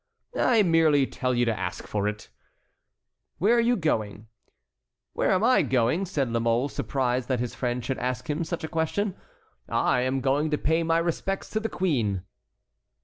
"I merely tell you to ask for it." "Where are you going?" "Where am I going?" said La Mole, surprised that his friend should ask him such a question; "I am going to pay my respects to the queen."